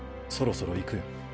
そろそろ行くよ。